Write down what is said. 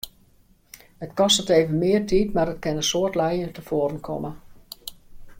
It kostet efkes mear tiid, mar it kin in soad lijen tefoaren komme.